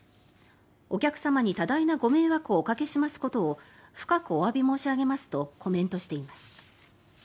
お客様に多大なご迷惑をおかけしますことを深くおわび申し上げますとコメントしています。